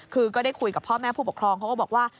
คือก็ได้คุยกับพ่อแม่ผู้ปกครองเขาก็บอกว่า